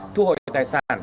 thu hồi tài sản